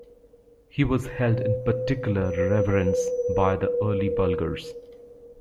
He was held in particular reverence by the early Bulgars.